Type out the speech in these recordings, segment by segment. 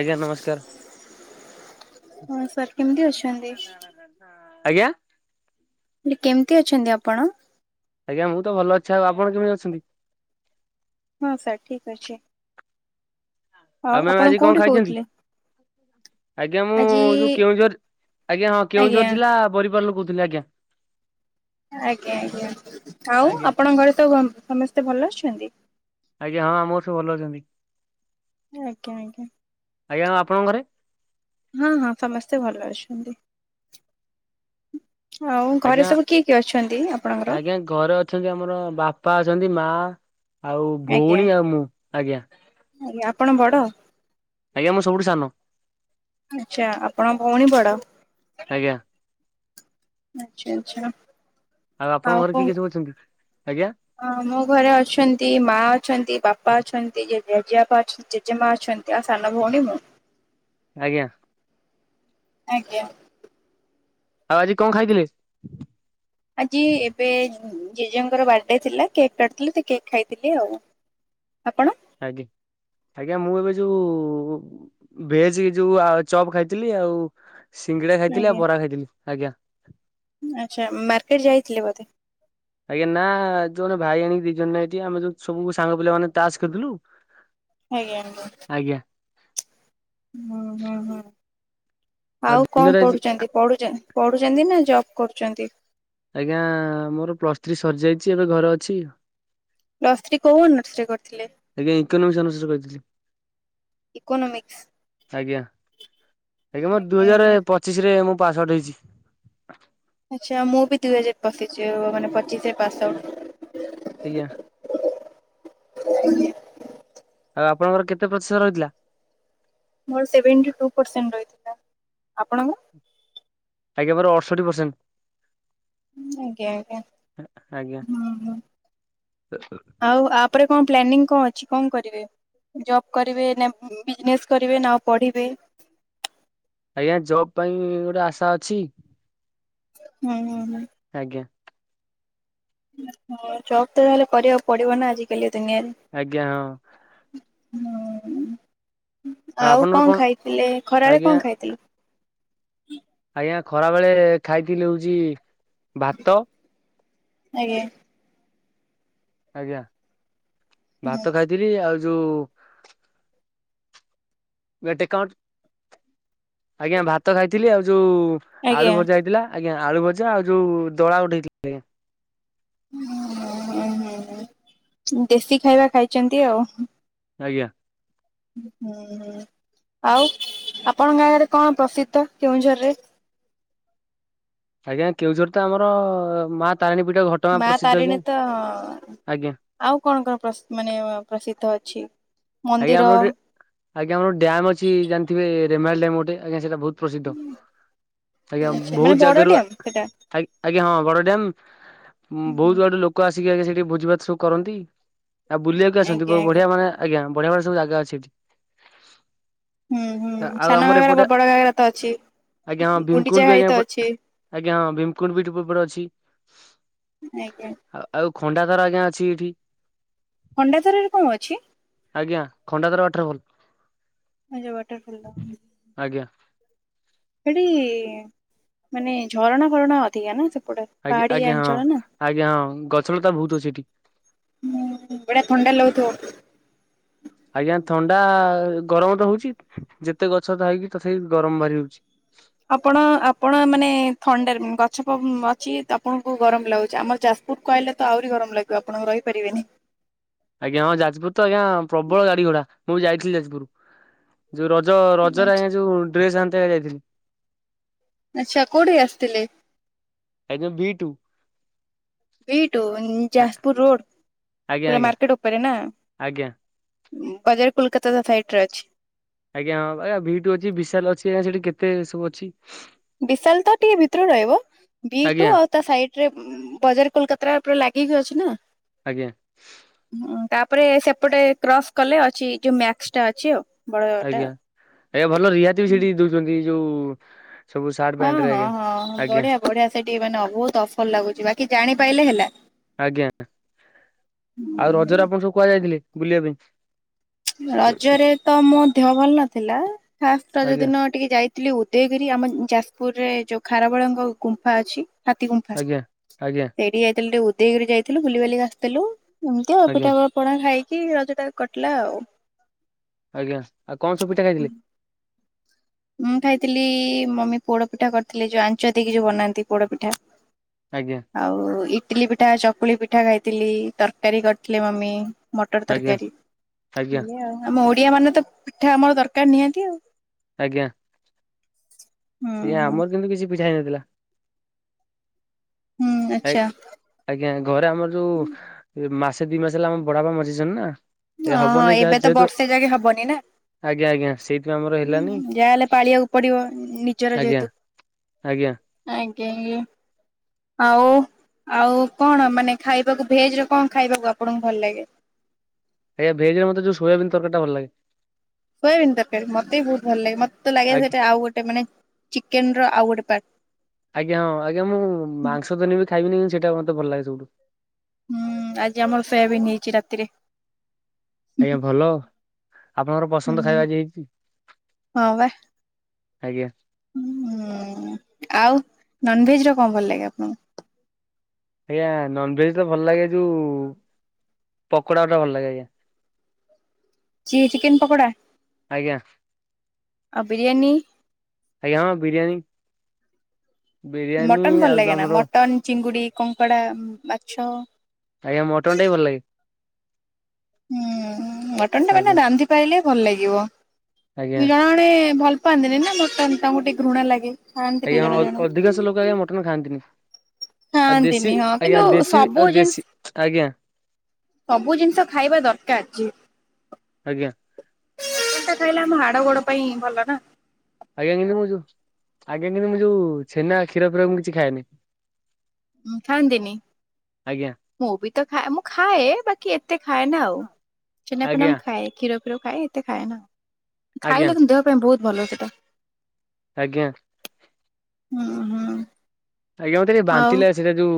ଆଜ୍ଞା ନମସ୍କାର। ହଁ ସାର୍ କେମିତି ଅଛନ୍ତି? ଆଜ୍ଞା? ଏ କେମିତି ଅଛନ୍ତି ଆପଣ? ଆଜ୍ଞା ମୁଁ ତ ଭଲ ଅଛି ଆଉ ଆପଣ କେମିତି ଅଛନ୍ତି? ହଁ ସାର୍ ଠିକ୍ ଅଛି। ଆଉ ମ୍ୟାମ ଆପଣ ଆଜି କଣ କୋଉଠି ଖାଇଛନ୍ତି? କହୁଥିଲେ? ଆଜ୍ଞା ମୁଁ ଆଜି ଯୋଉ କେଉଁଝର ଆଜ୍ଞା ହଁ କେଉଁଝର ଆଜ୍ଞା ଜିଲ୍ଲା ବରିପାଲରୁ କହୁଥିଲି ଆଜ୍ଞା। ଆଜ୍ଞା ଆଜ୍ଞା କାଉଁ ଆଜ୍ଞା। ଆପଣଙ୍କ ଘରେ ତ ସମସ୍ତେ ଭଲ ଅଛନ୍ତି? ଆଜ୍ଞା ହଁ ଆମ ଘରେ ସବୁ ଭଲ ଅଛନ୍ତି। ଆଜ୍ଞା ଆଜ୍ଞା। ଆଜ୍ଞା ଆଉ ଆପଣଙ୍କ ଘରେ? ହଁ ହଁ ସମସ୍ତେ ଭଲ ଅଛନ୍ତି। ହଉ ଆଜ୍ଞା ଘରେ ସବୁ କିଏ କିଏ ଅଛନ୍ତି ଆପଣଙ୍କର? ଆଜ୍ଞା ଘରେ ଅଛନ୍ତି ଆମର ବାପା ଅଛନ୍ତି ମା ଆଉ ଆଜ୍ଞା ଭଉଣୀ ଆଉ ମୁଁ ଆଜ୍ଞା। ଆଜ୍ଞା ଆପଣ ବଡ? ଆଜ୍ଞା ମୁଁ ସବୁଠୁ ସାନ। ଆଚ୍ଛା ଆପଣ ଭଉଣୀ ବଡ। ଆଜ୍ଞା। ଆଛା ଆଚ୍ଛା। ଆଉ ଆପଣଙ୍କ ଘରେ କିଏ କିଏ ସବୁ ଅଛନ୍ତି ଆଜ୍ଞା। ହଁ ମୋ ଘରେ ଅଛନ୍ତି ମା ଅଛନ୍ତି ବାପା ଅଛନ୍ତି ଜେଜେ ଜେଜେବାପା ଅଛନ୍ତି ଯେ ଜେମା ଅଛନ୍ତି ଆଉ ସାନ ଭଉଣୀ ମୁଁ। ଆଜ୍ଞା। ଆଜ୍ଞା। ଆଉ ଆଜି କ ଖାଇଥିଲେ? ଆଜି ଏବେ ଜେଜେଙ୍କର ବାର୍ଥଡେ ଥିଲା କେକ୍ କାଟିଥିଲେ ସେ କେକ୍ ଖାଇଥିଲି ଆଉ। ଆପଣ? ଆଜ୍ଞା ଆଜ୍ଞା ମୁଁ ଏବେ ଯୋଉ ଭେଜ କି ଯୋଉ ଆ ଚପ୍ ଖାଇଥିଲି ଆଉ ସିଙ୍ଗିଡା ଖାଇଥିଲି ଆଜ୍ଞା। ଆଉ ବରା ଖାଇଥିଲି ଆଜ୍ଞା। ଆଚ୍ଛା ମାର୍କେଟ ଯାଇଥିଲେ ବୋଧେ? ଆଜ୍ଞା ନା ଯୋଉେ ଗୋଟେ ଭାଇ ଆଣିକି ଦି ଜଣ ଏଠି ଆମେ ଯୋଉ ସବୁ ସାଙ୍ଗ ପିଲା ମାନେ ତା ଚାଷ ଖେୁଳୁଥିଲୁ ଆଜ୍ଞା। ଆଜ୍ଞା। ହୁଁ ହୁଁ ହୁଁ ଆଉ ଦିନରେ କଣ ଆଜି ପଢୁଛନ୍ତି? ପଢଛନ୍ତି ପଢୁଛନ୍ତି ନା ଜବ କରୁଛନ୍ତି? ଆଜ୍ଞା ମୋର ପ୍ଲସ୍ ଥ୍ରୀ ସରିଯାଇଛି ଏବେ ଘରେ ଅଛି। ପ୍ଲସ୍ ଥ୍ରୀ କୋଉ ଅନର୍ସରେ କରିଥିଲେ? ଆଜ୍ଞା ଇକୋନୋମିକ୍ସ ଅନର୍ସରେ କରିଥିଲି। ଇକୋନୋମିକ୍ସ। ଆଜ୍ଞା ଆଜ୍ଞା ମୋର ଦୁଇ ହଜାର ପଚିଶ ରେ ମୁଁ ପାସ ଆଉଟ ହେଇଛି। ଆଚ୍ଛା ମୁଁ ବି ଦୁଇ ହଜାର ପଶିଛିି ମାନେ ପଚିଶରେ ପାସ୍ ଆଉଟ ଆଜ୍ଞା। ହ [unintelligible] ଆଉ ଆପଣଙ୍କର କେତେ ପ୍ରତିଶତ ରହିଥିଲା? ମୋର ସେଭେନ୍ଟି ଟୁ ପରସେଣ୍ଟ ରହିଥିଲା। ଆପଣଙ୍କ? ଆଜ୍ଞା ମୋର ଅଡଷଠି ପରସେଣ୍ଟ। ଆଜ୍ଞା ଆଜ୍ଞା ଆଜ୍ଞା ହୁଁ ହୁଁ। ଆଉ ଆପରେ କଣ ପ୍ଲାନିଂ କଣ ଅଛି କଣ କରିବେ? ଜବ୍ କରିବେ ନା ବିଜନେସ୍ କରିବେ ନା ଆଉ ପଢିବେ ଆଜ୍ଞା ଜବ ପାଇଁ ଗୋଟେ ଆଶା ଅଛି। ହୁଁ ହୁଁ ହୁଁ। ଆଜ୍ଞା। ଜବ୍ ତହେଲେ କରିବାକୁ ପଡିବ ନା ଆଜିକାଲି ଦୁନିଆରେ? ଆଜ୍ଞା ହଁ। ହଁ ଆଉ କଣ ଖାଇଥିଲେ ଖରାବେଳେ ଆଜ୍ଞା କଣ ଖାଇଥିଲେ। ଆଜ୍ଞା ଖରା ବେଳେ ଖାଇଥିଲି ହଉଛି ଭାତ ଆଜ୍ଞା। ଆଜ୍ଞା। ହୁଁ ଭାତ ଖାଇଥିଲି ଆଉ ଯୋଉ ଗଟେ କଣ ଆଜ୍ଞା ଭାତ ଖାଇଥିଲି ଆଉ ଯୋଉ ଆଳୁ ଆଜ୍ଞା ଭଜା ହେଇଥିଲା। ଆଜ୍ଞା ଆଳୁ ଭଜା ଆଉ ଯୋଉ ଦଳା ଗୋଟେ ହେଇଥିଲା। ହଁ ଦେଶୀ ଖାଇବା ଖାଇଛନ୍ତି ଆଉ। ଆଜ୍ଞା। ହୁଁ ହୁଁ ଆଉ ଆପଣଙ୍କ ଗାଁ ଗରେ କଣ ପ୍ରସିଦ୍ଧ କେଉଁଝର ରେ? ଆଜ୍ଞା କେଉଁଝର ଆମର ତ ମା ତାରିଣୀ ପୀଠ ଘଟଗାଁ ମା ପ୍ରସିଦ୍ଧ ତାରିଣୀ ଆଜ୍ଞା ତ ଆଜ୍ଞା ଆଉ କଣ କଣ ମାନେ ପ୍ରସିଦ୍ଧ ଅଛି। ଆଜ୍ଞା ମନ୍ଦିର ଆମର ଗୋଟେ ଡ଼୍ୟାମ ଅଛି ଜାଣିଥବେ ରେମାଲି ଡ୍ୟାମ ଗୋଟେ ଆଜ୍ଞା ସେଇଟା ବହୁତ ପ୍ରସିଦ୍ଧ। ଆଜ୍ଞା ଆଛା ମାନେ ବହୁତ ବଡ ଜାଗାରୁ ଡ୍ୟାମ୍ ସେଟା ଆଜ୍ଞା ଆଜ୍ଞା ହଁ ବଡ ଡ୍ୟାମ ବହୁତ ବାଟ ଲୋକ ଆସି ଆ ସେଠି ଭୋଜି ଭାତ ସବୁ କରନ୍ତି। ଆଉ ବୁଲିବାକୁ ଆସନ୍ତି ଆଜ୍ଞା ବହୁତ ଆଜ୍ଞା। ବଢିଆ ମାନେ ଆଜ୍ଞା,। ବଢିଆ ବଢିଆ ଜାଗା ଅଛ଼ି ସେଇଠି। ହୁଁ ହୁଁ ଆଉ ସାନ ଆମର ଘାଗରା ଏପଟେ ବଡ ଘାଗରା ତ ଅଛି ଆଜ୍ଞା ହଁ ଗୁଣ୍ଡିଚା ଭୀମକୁଣ୍ଡ ବି ଘାଇ ଆଜ୍ଞା ତ ଅଛି ଏପଟ ଆଜ୍ଞା ହଁ ଭୀମକୁଣ୍ଡ ବିଟ ଉପ ଉପରେ ଅଛି। ଆଜ୍ଞା। ଆଉ ଆଉ ଖଣ୍ଡା ଧର ଆଜ୍ଞା ଅଛି ଏଇଠି। ଖଣ୍ଡାଧାରରେ କଣ ଅଛି? ଆଜ୍ଞା ଖଣ୍ଡାଧାର ୱାଟରଫଲ୍। ଆ ଯୋଉ ୱାଟରଫଲ ଟା। ଆଜ୍ଞା। ସେଠି ମାନେ ଝରଣା ଫରଣା ଅଧିକା ନା ସେପଟେ। ଆଜ୍ଞା ପାହାଡିଆ ଆଜ୍ଞା ହଁ ଅଞ୍ଚଳ ନା। ଆଜ୍ଞା ହଁ ଗଛ ଲତା ବହୁତ ଅଛି ସେଠି। ହୁଁ ବଢିଆ ଥଣ୍ଡା ଲାଗୁଥିବ। ଆଜ୍ଞା ଥଣ୍ଡା ଗରମ ତ ହଉଛି ଯେତେ ଗଛ ଥାଇକି ତଥାପି ଗରମ ବାରି ହଉଛି। ଆପଣ ଆପଣ ମାନେ ଥଣ୍ଡାରେ ଗଛ ଅଛି ଆପଣଙ୍କୁ ଗରମ ଲାଗୁଛି ଆମର ଚାଷ କୁଟ କହିଲେ ତ ଆହୁରି ଗରମ ଲାଗିବ ଆପଣକୁ ରହିପାରିବେନି। ଆଜ୍ଞା ହଁ ଯାଜପୁର ତ ଆଜ୍ଞା ପ୍ରବଳ ଗାଡି ଘୋଡା ମୁଁ ଯାଇଥିଲି ଯାଜପୁରୁ। ଯୋଉ ରଜ ରଜ ଆଞା ଯୋଉ ଡ୍ରେସ ଆଣିତେ ଯାଇଥିଲି। ଆଚ୍ଛା କୋଉଠି ଆସିଥିଲେ? ଆଜ୍ଞା ବିି ଟୁ। ବି ଟୁ ଯାଜପୁର ରୋଡ ଆଜ୍ଞା ପୁରା ଆଜ୍ଞା ମାର୍କେଟ ଉପରେ ନା। ଆଜ୍ଞା ବଜାର କୋଲକାତା ତା ସାଇଟର ଅଛି। ଆଜ୍ଞା ହଁ ଆଜ୍ଞା ଭିଟୁ ଅଛି ବିଶାଲ ଅଛି ଆ ସେଠି କେତେ ସବୁ ଅଛି। ବିଶାଲ ତ ଟିକେ ଭିତରୁ ରହିବ ବି ଟୁ ଆଜ୍ଞା ଆଉ ତା ସାଇଡରେ ବଜାର କୋଲକତା ପୁରା ଲାଗିକି ଅଛି ନା। ଆଜ୍ଞା। ହୁଁ ତାପରେ ସେପଟେ କ୍ରସ୍ କଲେ ଅଛି ଯୋଉ ମାକ୍ସ ଟା ଅଛି ଆଉ। ବଡଟା ଆଜ୍ଞା ଆଉ। ଆଜ୍ଞା ଭଲ ରିହାତି ବି ସେଠି ଦଉଛନ୍ତି ଯୋଉ ସବୁ ସାର୍ଟ ହଁ ପ୍ୟାଣ୍ଟ ରେ ହଁ ଆଜ୍ଞା ହଁ ଆଜ୍ଞା। ବଢିଆ ବଢିଆ ସେଠି ମାନେ ବହୁତ ଅଫଲ ଲାଗୁଛି ବାକି ଜାଣି ପାଇଲେ ହେଲା। ଆଜ୍ଞା ଆଉ ରଜରେ ଆପଣ ସବୁ କୁଆଯାଇଥିଲେ ବୁଲିବା ପାଇଁ। ରଜରେ ତ ମୋ ଦେହ ଭଲ ନଥିଲା ଫାଷ୍ଟ ରଜ ଆଜ୍ଞା ଦିନ ଟିକେ ଯାଇଥିଲି ଉଦୟଗିରି ଆମ ଯାଜପୁରରେ ଯୋଉ ଖାରବେଳଙ୍କ ଗୁମ୍ଫା ଅଛି। ହାତୀ ଗୁମ୍ଫା ଆଜ୍ଞା ଆଜ୍ଞା ସେଇଠି ଯାଇଥିଲୁ ଟିକେ ଉଦୟଗିରି ଯାଇଥିଲୁ ବୁଲି ବାଲିକି ଆସିଥିଲୁ। ଏମିତି ଆଉ ଆଜ୍ଞା ପିଠା ବ ପଣା ଖାଇକି ରଜଟା କଟିଲା ଆଉ। ଆଜ୍ଞା ଆଉ କଣ ସବୁ ପିଠା ଖାଇଥିଲେ? ମୁଁ ଖାଇଥିଲି ମମି ପୋଡପିଠା କରିଥିଲେ ଯୋଉ ଆଞ୍ଚ ଦେଇକି ଯୋଉ ବନାନ୍ତି ପୋଡପିଠା। ଆଜ୍ଞା। ଆଉ ଇଟିଲି ପିଠା ଚକୁଳି ପିଠା ଖାଇଥିଲି ତରକାରୀ କରିଥିଲେ ମମି। ମଟର ଆଜ୍ଞା ତରକାରୀ ଆଜ୍ଞା ଆମ ଓଡିଆ ମାନେ ତ ପିଠା ଆମର ଦରକାର ନିହାତି ଆଉ। ଆଜ୍ଞା। ହୁଁ ଆଜ୍ଞା ହୁଁ ଆମର କିନ୍ତୁ କିଛି ପିଠା ହେଇନଥିଲା। ହୁଁ ଆ ଆଚ୍ଛା। ଆଜ୍ଞା ଘରେ ଆମର ଯୋଉ ମାସେ ଦି ମାସ ହେଲା ଆମ ବଡ ବାପା ମରିଜାଇଛନ୍ତି ନା। ଏ ଅ ହବନି ଯାହା ଏବେ ତ ଯେହେତୁ ବର୍ଷେ ଯାକେ ହବନି ନା। ଆଜ୍ଞା ଆଜ୍ଞା ସେଇଥିପା ଆମର ହେଲାନି। ଯାହାହେଲେ ପାଳିବାକୁ ପଡିବ ନିଜର ଆଜ୍ଞା ଯେହେତୁ ଆଜ୍ଞା ଆଜ୍ଞା ଆଜ୍ଞା। ଆଉ ଆଉ କଣ ମାନେ ଖାଇବାକୁ ଭେଜରେ କଣ ଖାଇବାକୁ ଆପଣଙ୍କୁ ଭଲ ଲାଗେ? ଆଜ୍ ଭେଜରେ ମତେ ଯୋଉ ସୋୟବନ୍ ତରକାରୀ ଟା ଭଲ ଲାଗେ। ସୋୟାବିନ ତରକାରୀ ମତେ ବି ବହୁତ ଭଲ ଲାଗେ। ମତେ ଲାଗେ ଆଜ୍ଞା ସେଇଟା ଆଉ ଗୋଟେ ମାନେ ଚିକେନ ର ଆଉ ଗୋଟେ ପାର୍ଟ। ଆଜ୍ଞାଁ ହଁ ଆଜ୍ଞା ମୁଁ ମାଂସ ଦେନ୍ ବି ଖାଇବିନି କି ସେଇଟା ମତେ ଭଲ ଲାଗେ ସବଠୁ। ହୁଁ ଆଜି ଆମର ସୋୟାବିନ୍ ହେଇଛି ରାତିରେ। ଆଜ୍ଞା ଭଲ ଆପଣଙ୍କର ହୁଁ ପସନ୍ଦ ଖାଇବା ଆଜି ହେଇଛି। ଆଜ୍ଞା। ହ୍ନୁ ଆଉ ନନଭେଜ ର କଣ ଭଲ ଲାଗେ ଆପଣଙ୍କୁ? ଆଜ୍ଞା ନନଭେଜ ର ଭଲ ଲାଗେ ଯୋଉ ପକୋଡ଼ା ଭଲ ଲାଗେ ଆଜ୍ଞା। ଜିଏ ଚିକେନ ପକୋଡ଼ା ଆଜ୍ଞା ଆଉ ବିରିୟାନୀ? ଆଜ୍ଞା ହଁ ବିରିୟାନୀ। ବିରିୟାନୀ ମଟନ ଭଲ ଆଉ ଲାଗେନା ଆମର ମଟନ, ଚିଙ୍ଗୁଡି, କଙ୍କଡା, ମାଛ? ଆଜ୍ଞା ମଟନ ଟା ବି ଭଲ ଲାଗେ। ହୁଁ ମଟନ ଟା ମାନେ ଆଜ୍ଞା ରାନ୍ଧି ପାଇାରଲେ ଭଲ ଲାଗିବ। ଆଜ୍ଞା ଦୁଇ ଜଣ ମାନେ ଭଲ ପାଆନ୍ତିନି ନା ମଟନ ତାଙ୍କୁ ଟିକେ ଘୃଣା ଲାଗେ। ଖାଆନ୍ତିନି ଆଜ୍ଞା ଜଣେ ଜଣେ ଅଧିକାଂଶ ଲୋକ ଆଜ୍ଞା ମଟନ ଖାଆନ୍ତିନି। ଆଉ ଦେଶୀ ଖାଆନ୍ତିନି ହଁ କିନ୍ତୁ ଆଜ୍ଞା ଦେଶୀ ସବୁ ଆଉ ଜିନିଷ ଦେଶୀ ଆଜ୍ଞା। ସବୁ ଜିନିଷ ଖାଇବା ଦରକାର ଅଛି। ଆଜ୍ଞା ସେଟା ଖାହିଲେ ଆମ ହାଡ ଗୋଡ ପାଇଁ ଭଲ ନା। ଆଜ୍ଞା [unintelligible] ମୁଁ ଯୋଉ ଆଜ୍ଞା [unintelligible] ମୁଁ ଯୋଉ ଛେନା କ୍ଷୀର ଫ୍ର ମୁ କିଛି ଖାଏନି। ଖାଆନ୍ତି ନି? ଆଜ୍ଞା। ମୁଁ ବି ତ ଖାଏ ମୁଁ ଖାଏ ବାକି ଏତେ ଖାଏ ନା ଆଉ। ଛେନା ଫେନା ଆଜ୍ଞା ମୁଁ ଖାଏ ଷୀର ଖାଏ ଏତେ ଖାଏ ନା ଆଜ୍ଞା ଖାଇଲେ କିନ୍ତୁ ଦେହ ପାଇଁ ବହୁତ ଭଲ ସେଟା। ଆଜ୍ଞା। ହଁ ହଁ। ଆଜ୍ଞା। ମତେ ଟିକେ ବାନ୍ତିି ଲାଗେ ସେଟା ଯୋଉ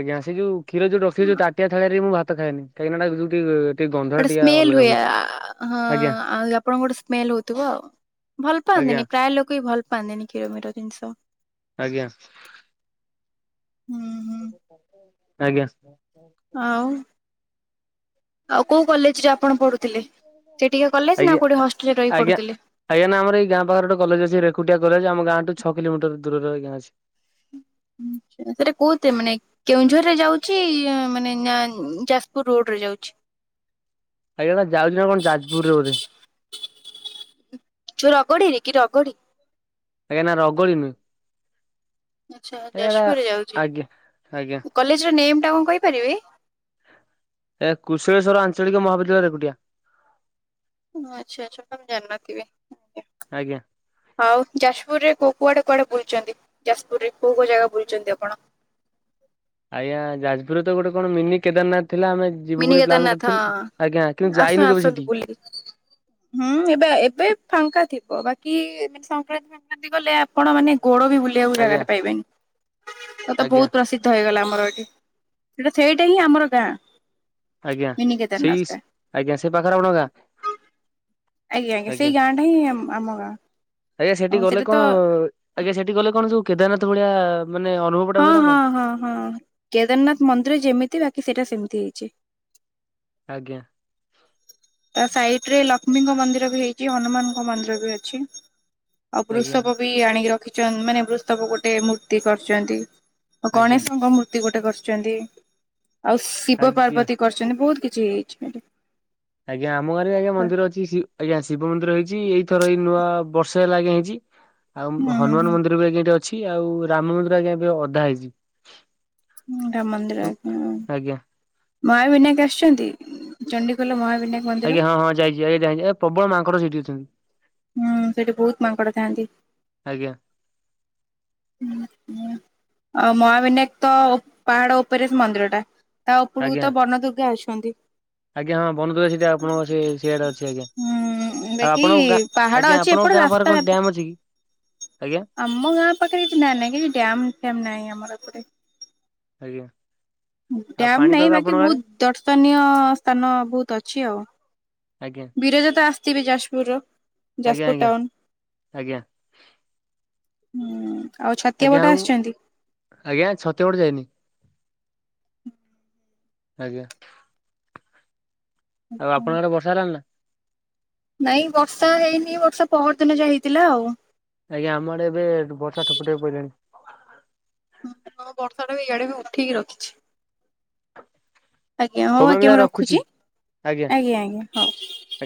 ଆଜ୍ଞା ସେ ଯୋଉ କ୍ଷୀର ଯୋଉ ରଖିୋଉ ତାଟିଆ ଥାଳିରେ ମୁଁ ଭାତ ଖାଏନି। କୋଇନାଟା [unintelligible] ଗୋଟେ ସ୍ମେଲ ହୁଏ ହଁ ଆଜ୍ଞା ଆଉ ଆପଣଙ୍କ ଗୋଟେ ସ୍ମେଲ ହଉଥିବ ଆଉ। ଭଲ ଆଜ୍ଞା ପାଆନ୍ତିନି ପ୍ରାୟ ଲୋକ ବି ଭଲ ପାଆନ୍ତିନି କ୍ଷୀର ମିର ଜିନିଷ। ଆଜ୍ଞା। ହୁଁ ଆଜ୍ଞା। ଆଉ ଆଉ କୋଉ କଲେଜରେ ଆପଣ ପଢ଼ୁଥିଲେ? ସେଇଟିକା କଲେଜ ନା ଆଜ୍ଞା କୋଉଠି ହଷ୍ଟେଲ ରେ ରହି ଆଜ୍ଞା ପଢୁଥିଲେ? ଆଜ୍ଞା ନା ଆମର ଏଇ ଗାଁ ପାଖରେ ଗୋଟେ କଲେଜ୍ ଅଛି। ରେକୁଟିଆ କଲେଜ୍। ଆମ ଗାଁ ଠୁ ଛ କିଲମଟର ଦୁରରେ ଆଜ୍ଞ ଅଛି। [unintelligible] କେଉଁଝର ରେ ଯାଉଛି ମାନେ ନା ଯାଜପୁର ରୋଡରେ ଯାଉଛି? ଆଜ୍ଞା ଯାଉଛି ନା କଣ ଯାପୁରରେ ବୋଧେ। ଯୋଉ ରଗଡିରେ କି ରଗଡି? ଆଜ୍ଞା ନା ରଗଳି ନୁ ଆଚ୍ଛା ଏା ଯାଜପୁରରେ ଯାଉଛି। ଆଜ୍ଞା ଆଜ୍ଞା। କଲେଜର ନେମ୍ଟା କଣ କହିପାରିବେ? ଏ କୁଶଳେଶ୍ୱର ଆଞ୍ଚଳିକ ମହାବିଦ୍ୟାଳୟ ରେକୁଟିଆ। ହ ଆଚ୍ଛା ଆଚ୍ଛା ତ ମୁ ଜନ୍ମା ଥିବି ଆଜ୍ଞା। ଆଜ୍ଞା। ଆଉ ଯାଜପୁରରେ କୋଉ କୁଆଡେ କୁଆଡେ ବୁଲୁଛନ୍ତି ଯାଜପୁରରେ କୋଉ କୋଉ ଜାଗା ବୁଲୁଛନ୍ତି ଆପଣ? ଆଜ୍ଞା ଯାଜପୁରରେ ତ ଗୋଟେ କଣ ମିନି କେଦାରନାଥ୍ ଥିଲା ଆମେ ଯିବୁ ମିନି ବୋଲି ପ୍ଲାନ୍ କେଦାରନାଥ କରିଥିଲୁ ଆଜ୍ଞା କିନ୍ତୁ ଆସୁ ଯାଇନୁ କେବେ ଆସନ୍ତୁ ସେଠି। ବୁଲି। ହୁଁ ଏବେ ଏବେ ଫାଙ୍କା ଥିବ ବାକି ମାନେ ସଂକ୍ରାନ୍ତି ଫାକ୍ରାନ୍ତି ଗଲେ ଆ ପଣ ମାନେ ଗୋଡ ବି ବୁଲିଆକୁ ଆଜ୍ଞା ଜାଗାଟେ ପାଇବେନି ଅ ତ ଆଜ୍ଞା ବହୁତ୍ ପ୍ରସି ଦ୍ଧ ହେଇଗଲା ଆମର ଏଠି [unintelligible] ସେଟା ସେଇଟା ହିଁ ଆମର ଗାଁ। ଆଜ୍ଞା ମିନି କେଦାରନାଥ ସେଇସ୍ ଟା। ଆଜ୍ଞା ସେ ପାଖରେ ଆପଣ ଗାଁ। ଆଜ୍ଞା ଆଜ୍ଞା ସେଇ ଗାଁଟା ହିଁ ଆମ୍ ଆମ ଗାଁ। ଆଜ୍ଞା ସେଠି ଆଉ ଗଲେ ସେଇଟା ତ କଁ ଆଜ୍ଞା ସେଠି ଗଲେ କଣ ଯୋଉ କେଦାରନାଥ ଭଳିଆ ମାନେ ଅ [unintelligible] ହଁ-ହଁ-ହଁ-ହଁ କେଦାରନାଥ୍ ମନ୍ଦିର ଯେମିତି ବାକି ସେଇଟା ସେମିତି ହେଇଚି। ଆଜ୍ଞା। ତା ସାଇଟ୍ ରେ ଲକ୍ଷ୍ମୀଙ୍କ ମନ୍ଦିର ବି ହେଇଚି ହନୁମାନଙ୍କ ମନ୍ଦିର ବି ଅଛି। ଆଉ ଆଜ୍ଞା ବୃଷଭ ବି ଆଣିକି ରଖିଚ ମାନେ ବୃଷଭ ଗୋଟେ ମୂର୍ତ୍ତି କରିଚନ୍ତି। ଅ ଆଜ୍ଞା ଗଣେଶଙ୍କ ମୂର୍ତ୍ତି ଗୋଟେ କରଚନ୍ତି ଆଉ ଶିବ ଆଜ୍ଞା। ପାର୍ବତୀ କରଚନ୍ତି ବହୁତ୍ କିଛି ହେଇଚି ଏଠି। ଆଜ୍ଞା ଆମ ଗାଁରେ ଆଜ୍ଞା ମନ୍ଦିର ଅଛି ଶି ଆଜ୍ଞା ଶିବ ମନ୍ଦିର ହେଇଚି ଏଇ ଥର ଏଇ ନୂଆ ବର୍ଷେ ହେଲା ଆଜ୍ଞା ହେଇଚି ହୁଁ ଆଉ ହୁଁ ହୁଁ ହନୁମାନ ମନ୍ଦିର ବି ଆଜ୍ଞା ଏଠି [unintelligible] ଛି ଆଉ ରାମ ମନ୍ଦିର ଆଜ୍ଞା ଏବେ ଅଧା ହେଇଚି। ହୁଁ ରାମ୍ ମନ୍ଦିର ଆଜ୍ଞା। ଆଜ୍ଞା ମହାବିନାୟକ୍ ଆସ୍ଛନ୍ତି ଚଣ୍ଡିଖୋଲ ମହାବିନା ଆଜ୍ଞା ହଁ-ହଁ ଯାଇଛି [unintelligible] ଏ ପ୍ରବଳ ମାଙ୍କଡ ସେଠି ଅଛନ୍ତି। ହୁଁ ସେଠି ବହୁତ୍ ମାଙ୍କଡ ଥାଆନ୍ତି। ଆଜ୍ଞା। ଉଁ ହୁଁ ଆଉ ମହାବିନାୟକ୍ ତ ପାହାଡ ଉପରେ ସେ ମନ୍ଦିରଟା। ତା ଉପୁଡୁକୁ ଆଜ୍ଞା। ତ ବନଦୁର୍ଗା ଅଛନ୍ତି। ଆଜ୍ଞା ହଁ ବନଦୁଗା ସେଟା ଆପଣଙ୍କ ସେ ସିଆଡେ ଅଛି ଆଜ୍ଞା। ହୁଁ ଆଉ ବାକି ଆପଣଙ୍କ ଗାଁ ପାହାଡ ଆଜ୍ଞା ଅଛି ଆପଣଙ୍କ ଏପଟେ ଗାଁ ପାଖରେ ରାସ୍ତା କଁ ଡ୍ୟାମ୍ ଅଛି କି? ଆଜ୍ଞା। ଆମ ଗାଁ ପାଖରେ [unintelligible] କିଛି ଡ୍ୟାମ୍ ଫ୍ୟାମ୍ ନାଇଁ ଆମର ଏପଟେ। ଆଜ୍ଞା। ଆଉ ଡ୍ୟାମ୍ ପାଣିପାଗ ନାଇଁ ବାକି ଆପଣଙ୍କ ଆଡେ ବହୁତ୍ ଦର୍ଶନୀୟ ସ୍ଥାନ ବହୁତ୍ ଅଛି ଆଉ। ଆଜ୍ଞା ବିରଜା ତ ଆସଥିବେ ଯାଜପୁର୍ ର ଆଜ୍ଞା ଯାଜପୁର୍ ଆଜ୍ଞା ଟାଉନ୍। ଆଜ୍ଞା। ହୁଁ ଆଉ ଛତିଆ ଆଜ୍ଞା ବଟ ଆଉ ଆସଛନ୍ତି? ଆଜ୍ଞା ଛତିଆ ବଟ୍ ଯାଇନି। ଆଜ୍ଞା। ଆଉ ଆପଣଙ୍କ [unintelligible] ବର୍ଷ ହେଲାଣି ନା? ନାଇଁ ବର୍ଷା ହେଇନି ବର୍ଷା ପହର ଦିନ ଯା ହେଇଥିଲା ଆଉ। ଆଜ୍ଞା ଆମ ଆଡେ ଏବେ ବର୍ଷା ଠୋପେ ଠୋପେ ପଇଲାଣି। ହୁଁ ହଁ ବର୍ଷା ଟା ବି ଇଆଡେ ବି ଉଠିକି ରଖିଛି। ଆଜ୍ଞା ହଉ ମ୍ୟାମ୍ ଆଜ୍ଞା ଏଇନା ମୁଁ ରଖୁଛି। ରଖୁଚି ଆଜ୍ଞା ଆଜ୍ଞା ହଉ। ଆଜ୍ଞା